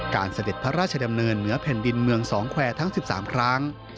เสด็จพระราชดำเนินเหนือแผ่นดินเมืองสองแควร์ทั้ง๑๓ครั้ง